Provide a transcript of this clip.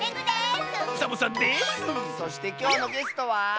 そしてきょうのゲストは。